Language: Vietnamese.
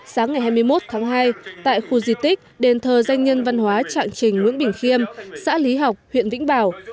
sáng ngày hai mươi một tháng hai tại khu di tích đền thờ danh nhân văn hóa trạng trình nguyễn bình khiêm xã lý học huyện vĩnh bảo